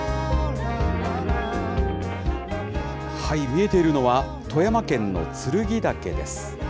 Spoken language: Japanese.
見えているのは富山県の剱岳です。